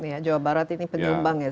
ya jawa barat ini penyumbang ya